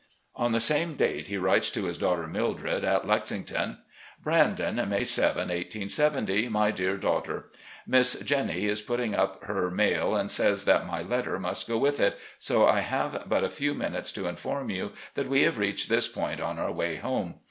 On the same date, he writes to his daughter Mildred at Lexington: "'Brandon,' May 7, 1870. "My Dear Daughter: Miss Jennie is putting up her mail and says that my letter must go with it, so I have but a few minutes to inform you that we have reached this point on our way home.